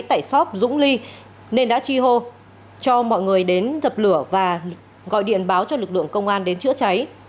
tại xóm dũng ly nên đã chi hô cho mọi người đến dập lửa và gọi điện báo cho lực lượng công an đến chữa cháy